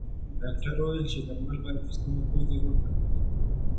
ډاکتر وویل چې درمل باید په سمه توګه وکارول شي.